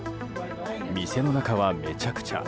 店の中はめちゃくちゃ。